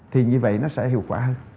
thì như vậy nó sẽ hiệu quả hơn